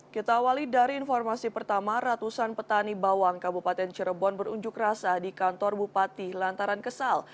kita awali dari informasi pertama ratusan petani bawang kabupaten cirebon berunjuk rasa di kantor bupati lantaran kesal